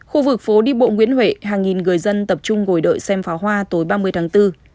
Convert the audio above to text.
khu vực phố đi bộ nguyễn huệ hàng nghìn người dân tập trung ngồi đợi xem pháo hoa tối ba mươi tháng bốn